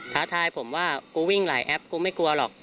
ท้าทายผมว่ากูวิ่งหลายแอปกูไม่กลัวหรอก